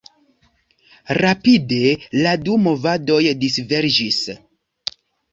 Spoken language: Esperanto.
Rapide la du movadoj diverĝis.